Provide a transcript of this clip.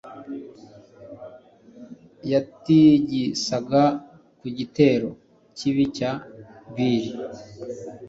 Yatigisaga ku gitero kibi cya bili